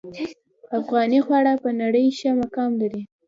افغاني خواړه په نړۍ ښه مقام لري